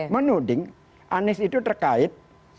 menuding anies itu terkait